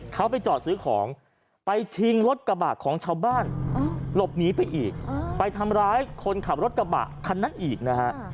เขาไปจอดซื้อของไปชิงรถกระบะของชาวบ้านหลบหนีไปอีกไปทำร้ายคนขับรถกระบะคันนั้นอีกนะฮะ